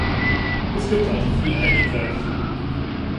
Es gibt also viel Einigkeit.